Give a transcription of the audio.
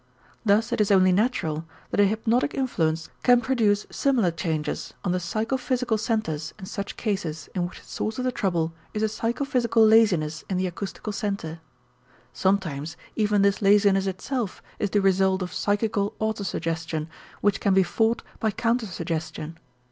Thus it is only natural that a hypnotic influence can produce similar changes on the psychophysical centers in such cases in which the source of the trouble is a psychophysical laziness in the acoustical center. Sometimes even this laziness itself is the result of psychical autosuggestion which can be fought by counter suggestion.